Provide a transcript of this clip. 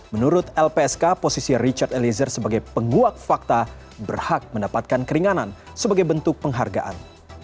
menurut lpsk posisi richard eliezer sebagai penguak fakta berhak mendapatkan keringanan sebagai bentuk penghargaan